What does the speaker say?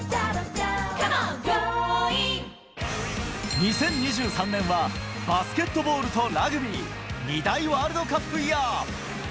２０２３年は、バスケットボールとラグビー、２大ワールドカップイヤー。